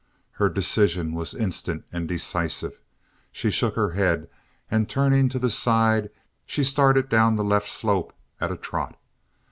Her decision was instant and decisive. She shook her head and turning to the side, she started down the left slope at a trot.